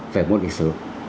về môn lịch sử